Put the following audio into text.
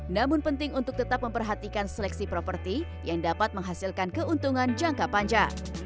namun penting untuk tetap memperhatikan seleksi properti yang dapat menghasilkan keuntungan jangka panjang